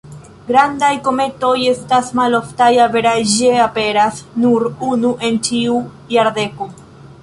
Grandaj kometoj estas maloftaj, averaĝe aperas nur unu en ĉiu jardeko.